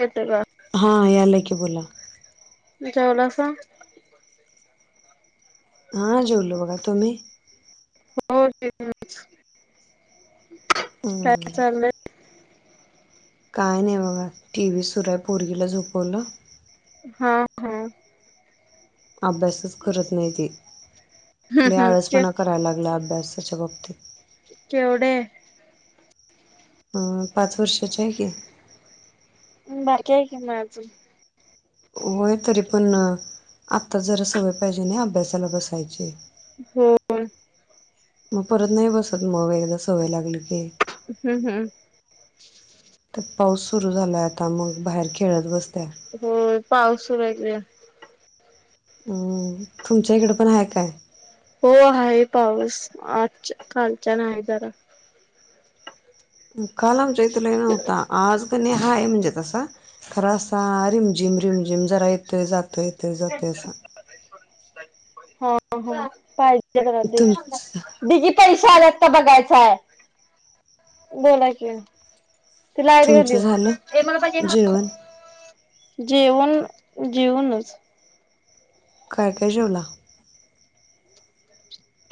येत का हा यालाय की बोला जेवलासा हा जेलो बघा तुम्ही हो ते हो काय नाही बघा टीव्ही सुरय पोरगला झोपवलं हा हा अभ्यासच करत नाही ती लै हम्म के आळसपणा करायला लागला अभ्यासाच्या वबक्ती केवडियाय अ पाच वर्षाचे आहे की बारकी आहे कि म अजून होय तरी पण आत्ता जरा सवय पाहिजे ना अभ्यासाला बसायची हो मग परत नाही बसत मग एकदा सवय लागली की हम्म हम्म तर पाऊस सुरु झालाय आता मग बाहेर खेळत बसत्या हो पाऊस सुरु हाय हिकडं अम्म तुमच्या इकडे पण आहे काय हो आहे पाऊस आज कालचान आहे जरा काल आमच्याकड लै नौता आज हाय म्हणजे असा खरा असा रिमझिम रिमझिम जरा येतोय जातोय येतोय जातय अस हा हा पाहिजे तुमच दिदी पैसे आला बघायचाय बोला कि [unintelligible] तुमचं झालं ते मला पाहिजे जेवण ह जेवन जेउनच च काय काय जेवला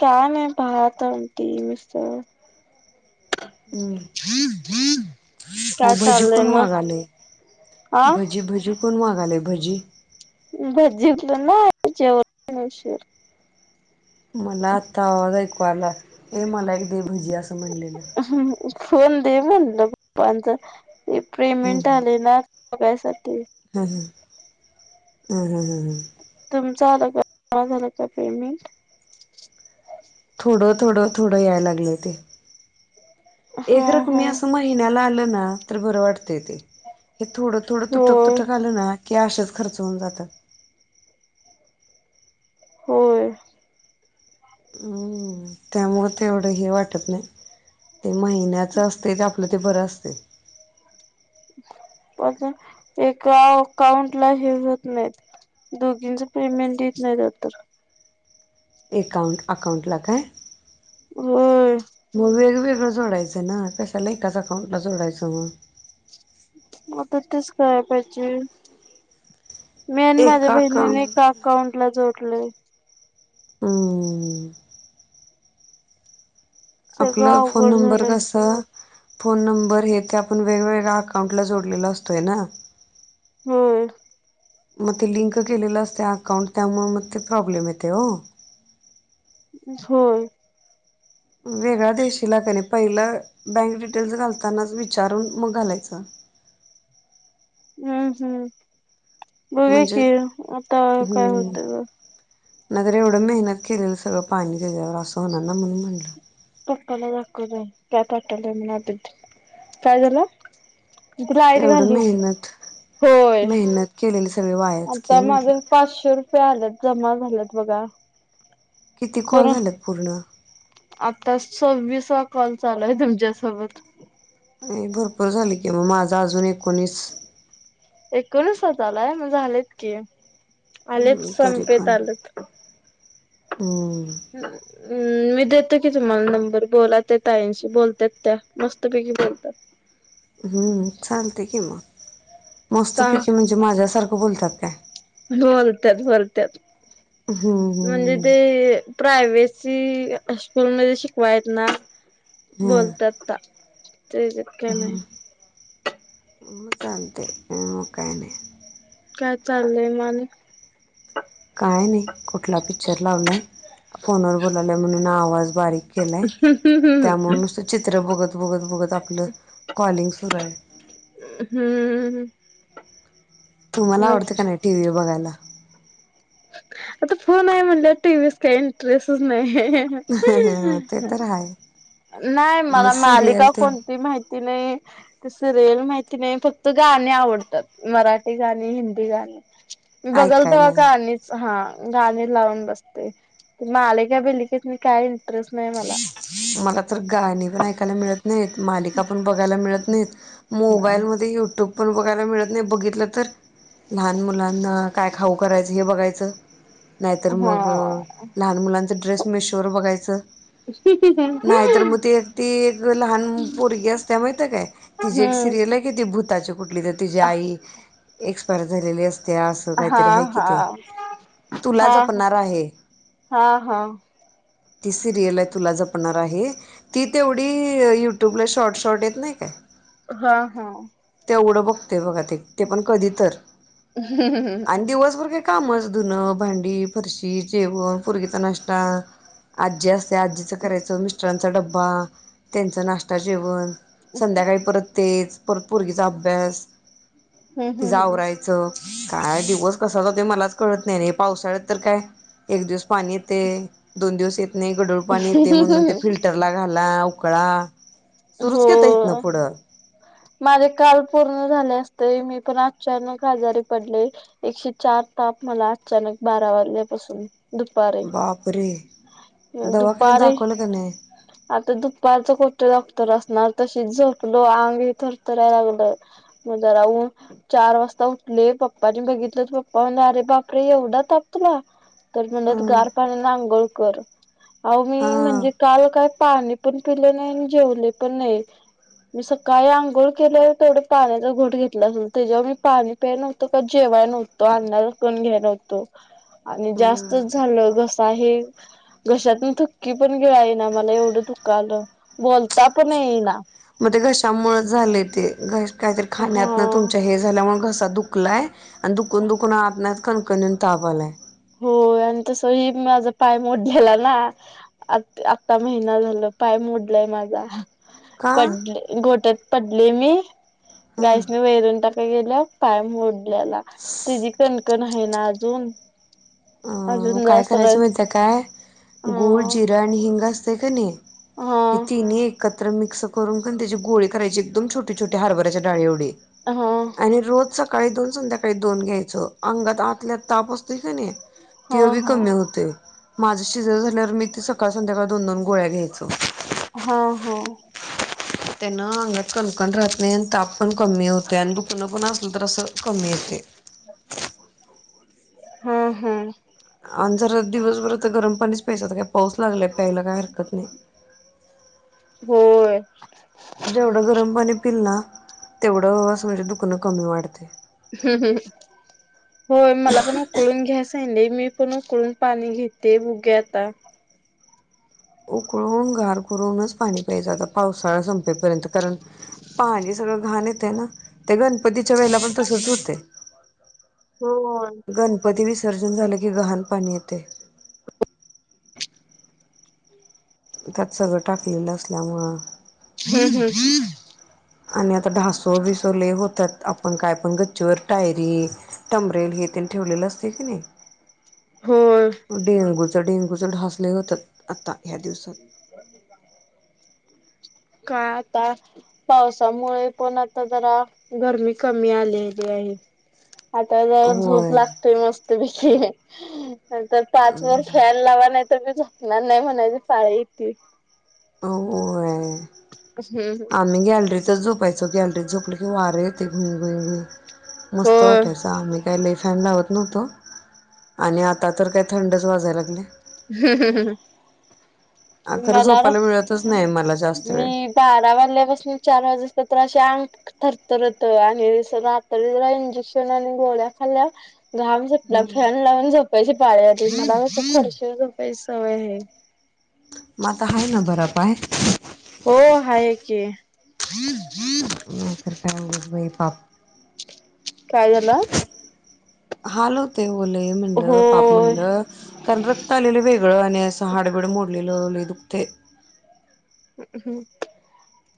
का नाही भात आमटी उसळ हम्म का मग भजी चालय कोण मग मागालय आ भजी भजी कोण मागालाय भजी भजी तर नाय जेवलो आम्ही उशीर मला आत्ता आवाज ऐकू आला ए मला एक देभजी असं म्हणलेलं फोन दे म्हणलं पप्पांच ते पेमेंट आलय ना बघायसाठी हम् हम हम् हम हम् हम तुमच आलं का झालं का पेमेंट थोडं थोडं थोडं याय लागलं ते एक हा रकम हा असं महिन्याला आलं ना तर बरं वाटतय ते हे थोडं थोडं तुटक होय तुटक आल ना की अशेच खर्च होऊन जातात हो हम् त्यामुळे तेवढं हे वाटत नाही ते महिन्याच असतय ते आपल्या ते बरं असतय प एका अकाउंट ला हे होत नाहीत दोघींच पेमेंट येत नाही तर तर अकाउंट अकाउंटला काय हम् मग वेगवेगळं जोडायचं ना कशाला एकाच अकाउंटला जोडायचं मग पाहिज मी आणि माझ्या एका बहिणीने अकाउंट एका अकाउंट ला जोड पले हम सगळं आपला फोन अवघड नंबर झालंय कसा फोन नंबर हे ते आपण वेगवेगळ्या अकाउंटला जोडलेला असतोय ना हम मग ते लिंक केलेलं असते अकाउंट त्यामुळे मग ते प्रॉब्लेम येते हो हो वेगळ्या देशीला कने पहिला बँक डिटेल् घालताना विचारून मग घालायच हम्म हम्म बघूया म्हणजे की आता काय होतं ग नाही तर एवढं मेहनत केलेल सगळं पाणी त्याच्यावर असं होणार ना म्हणून म्हटलं पप्पाला दाखवलं काय पटलय म्ह आ काय झालं लाईट एवढं घाली. मेहनत होय मेहनत केलेली सगळे वायाच की म्हंटलं आलत जमा झालात बघा किती कॉल बरं झाल पूर्ण आता सव्वीसवा कॉल चालू आहे तुमच्यासोबत नाही भरपूर झाली कि मग माझा अजून एकोणीस एकोणवीस होतलाय मग झालेत की आलेत तरी संपेत आलंत हो हम् मी देते की तुम्हाला नंबर बोला त्या ताईंशी बोलत त्या मस्तपैकी बोलतात ह हम्म चालते कि मग सांग मस्तपैकी म्हणजे माझ्या सारखं बोलतात काय बोलत्यात बोलत्यात हम्म म्हणजे हम्म ते प्रायव्सी स्कूलमध्ये शिकवायेत ना बोलतात त्या तेचक नाही म मझते मकायने काय चाललय मालिक काय नाही कुठला पिक्चर लावलाय फोनवर बोलालाय म्हणून आवाज बारीक केलाय त्यामुळं नुस्त चित्रं बघत बघत बघत आपल कॉलिंग खरय हम्म तुम्हाला मग आवडतें का नाही टीव्ही बघायला आता फोन आहे म्हणल्याव टीव्हीत काही इंटरेस्टच नाही. ह ते ह तर आहे नाही मग मला मालिका सिरियल ते कोणती माहिती नाही ते सिरियल माहिती नाही फक्त गाणी आवडतात मराठी गाणी हिंदी गाणी मी बघलतो बा ऐकायला का आणिच हा गाणी लावून बसते माले का बलिकेत म काय इंटरेस्ट नाही मला मला तर गाणी पण ऐकायला मिळत नाही मालिका पण बघायला मिळत नाहीत मोबाईलमध्ये युट्यूब ण बघायला मिळत नाही बघितलं तर लहान मुलांना काय खाऊ करायचं हे बघायच नाहीतर हा मग लहान मुलांच ड्रेस मी शर बघायचं [inaudible] नाही तर मग त ती एक लहान पोरगी असते माहिित काय तिची एक हम्म सिरियल आहे कि ती भू ताची कुठली तररी तिची आई एक्सपायर झालेली असते ते असं हा हा काहीतरी आहे कि हा ते तुला हा जपणार आहे हा हा तिसरीला तुला जपणार आहे ती तेवढी युट्युबला शॉर्ट शॉर्ट येत नाही काय हा हा तेवढं बघते बघा ते ते पण कधी तर हम्म ह आणि दिवसभर काय कामच धुनं भांडी फरशी जेवण परगचा नाश्ता आज्जी असत त्या आजीचं करायचं मिस्टरांचा डब्बा त्यांचं नाश्ता जेवण संध्याकाळी परत तेज परत पर्गीचा अभ्यास तिचां हम्म आवरायचं काय दिवस कसाच ते मलाच कळत नाही र पावसाळ्यात तर काय एक दिवस पाणी येते दोन दिवस येत नाही गडोळ पाणी येते म्हणून ते फिल्टरला घाल खला उकळा सुरूच की आता इथनं हो पुढं माझे काल पूर्ण झा अस मी पण अ आजारी पडले एकशे चार तप मला अ वाल्यापासून बापरे दवाखान्यात दुपारही दाखवलं का नाही? आता दुपारच कोठत दगत असणार त झलंग रथराय लागलं म्ह चार वा उठले पप्पानी बघितलं तर पप्पा म्हणे अरे बापरे एवढा तापतला तर म्हणडात अं गार पाणी नांगोळकर अ मी म्हणजे हा काल काय पाणी पण पिले नाही आणि जेवले पण नाही मी सकाळी आंघोळ केले तेवढे पाण्याचा घोठ घेतला असेल ते जेवर्हा मी पाणी प्याय नव्हतं का जेव अ घस्त झा घशातून थुक्की की पण घे ना मला एवढं दु क आलं ब त्यापण ये ना मग ते घशामुळे झाले ते घ काहीतरी खाण्यातन हा तुमच्या हे झाल्यामुळे घसा दुखलाय आणि दुकून दुखून आ कनकनून तावाल आहे [inaudible] तस ह माझा पाय मोडलेला ना आता महिना झाला पाय मोडलाय मा का पड घोटत पडले मी हं गायस म वैरून टाक गेल्या पाय मोडल्याला तझी कणकण आहे ना अजून अ अजून काय जास्त करायचं रस माहि काय हा गूळ जिरां आणि हिंग असतय का नाही हा इ नक तर मिक्स करूनण त्याची गोळी करायची एकदम छोटेछटे हारबराच्या डाळी एवे हा आणि रोज सका काळी दोन संध्याकाळी दोन घ्यायचं अंगात आतल्यात ताप असतोय का नाही हा हा ते बी कमी हा होते माझं शिजव झाल्यावर मी ते सकाळ संध्याकाळ दोन दोन गोळ्या घ्यायचं हा हा त्यांना अंगात कणकण राहत नाही ताप पण कमी होते आणि दु पुन पुणा्हा असलं तर असं कमी येतय हा हा आणि जरा दिवसभर तर गरम पाणीच प्यायचं काय पाऊस लागलाय प्यायला काय हरकत नाही. होय - जेवढं गरम पाणी पिल ना तेवढं म्हणजे दुखणं कमी वाढते. हम्म हम् होय मला पण उकळून घ्यास आण मी पण उकळून पाणी घेते बघूया आता उकळून. गार करूनच पाणी प्यायचं आता पावसाळा संप संपेपर्यंत कारण पाणी सगळ घाण येतय ना गणपतीच्या वेळेला पण तसच होतय. होय गणपती विसर्जन झाले की घाण पाणी येते. त्यात सगळं टाकलेलं असल्यामुळं हम हम ह् आणि आता ढासो बिसवले होतात आपण काय पण गच्चीवर टायरी टबरेल त ठेवलेलं असते की नाही. हो डेंग्यू ढास लई होतात आता ह्या दिवसात [inaudible] का आता पावसामुळे पण आता जरा गरमी कमी आलेली आहे [inaudible] आता जर झूप होय लागतेय मस्तपैकी तर पाच वर फॅन लावा नाही म झपणार नाही म्हणायची पाळी येती होय हम्म आम्ही गॅलरी तच झोप झोपायचो गॅलरी झोपलो की वार येतोय घुई घुई घई मस्त होय. वाटायचं आम्ही काय फॅन लावत नव्हतो आणि आता तर काय थंडच वाजायला लागले. हम्म हम्म हम अ खरं झोपायला मिळतच नाही मला. जास्त वेळ मी बारा वाजल्यापासून चार वाजे अंग थरथरत आणि रात्री ज इंजेक्शन आणि गोळ्या घाम सुटला फॅन लावून झोपाय पाळी आली मला कशी फरशीवर झोपायची सवय हाय मता आहे ना बरा पाय हम्म हम्म तर काय बाई उगाच पापा काय झालं हाल होत बलई म्हणलं पाप होय म्हणलं कारण रक्त आलेलं वेगळं आणि असं हाडबिड मोडलेल ल लई दुखतंय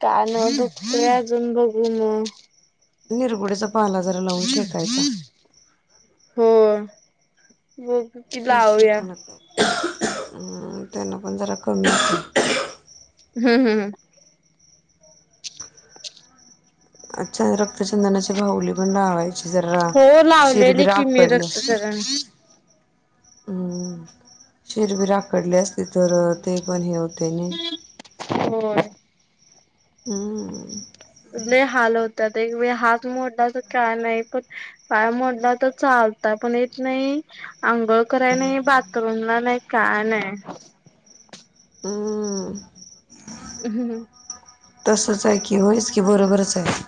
कान दुकतय अजून बघू मग निरगुडीचा पाला जरा लावून शेकायचा वो कि लाऊ या अ त्यांना पण जरा कमी हम्म हम्म हम अच्छा रक्तचंदनाची भाऊली पण लावा जरा हो शीर लावलेली बीर की मी काढली. रक्तचरण. हम्म शिर बीर आखडली असते तर ते पण हे. होतंय नई. होय हम्म लय हाल होत त्यात एक वेळ हात मोडला तर काय नाही पण पाय मोडला तर चालत पण येत नाही. आंघोळ कराय नाही बाथरूमला नाही काय नाही. हम्म हम्म तसच आहे की होयस की बरोबरच आहे.